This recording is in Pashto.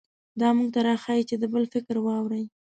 دا موږ ته راښيي چې د بل فکر واورئ.